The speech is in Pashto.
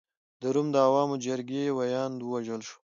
د روم د عوامو جرګې ویاند ووژل شو.